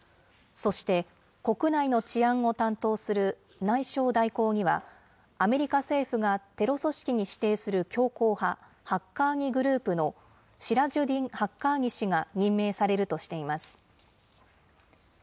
そして、国内の治安を担当する内相代行には、アメリカ政府がテロ組織に指定する強硬派、ハッカーニ・グループのシラジュディン・ハッカーニ氏が任命されるとしています。